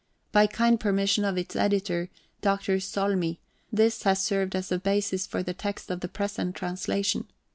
By kind permission of its editor, Dr. Solmi, this has served as a basis for the text of the present translation.